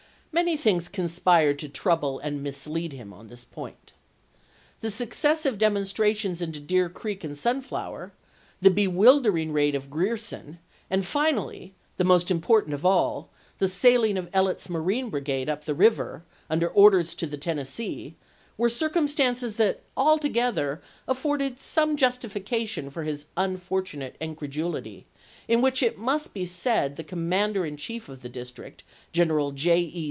Many things con spired to trouble and mislead him on this point. The successive demonstrations into Deer Creek and Sunflower, the bewildering raid of Grierson, and finally, the most important of all, the sailing of Ellet's marine brigade up the river, under orders to the Tennessee, were circumstances that, altogether, afforded some justification for his unfortunate in credulity, in which it must be said the commander in chief of the district, General J. E.